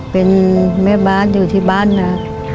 เป็นแม่บ้านอยู่ที่บ้านนะ